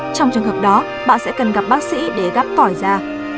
trong trường hợp đó bạn sẽ cần gặp bác sĩ để gắp tỏi ra